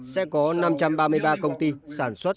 sẽ có năm trăm ba mươi ba công ty sản xuất